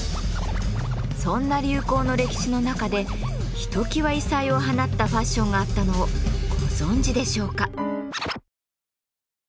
そんな流行の歴史の中でひときわ異彩を放ったファッションがあったのをご存じでしょうか？